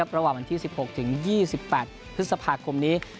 ระหว่างวันที่๑๖๒๘พฤษภาคคมนี้